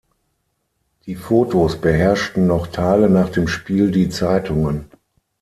Die Fotos beherrschten noch Tage nach dem Spiel die Zeitungen.